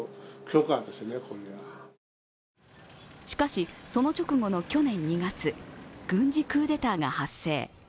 しかし、その直後の去年２月、軍事クーデータが発生。